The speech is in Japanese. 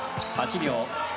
８秒。